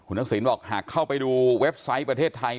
ทักษิณบอกหากเข้าไปดูเว็บไซต์ประเทศไทย